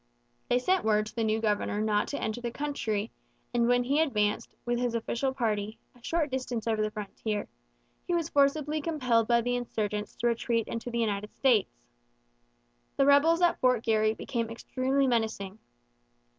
They sent word to the new governor not to enter the country; and when he advanced, with his official party, a short distance over the frontier, he was forcibly compelled by the insurgents to retreat into the United States. The rebels at Fort Garry became extremely menacing.